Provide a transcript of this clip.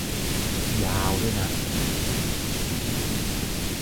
ยาวด้วยนะ